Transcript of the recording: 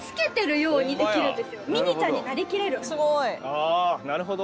あなるほど。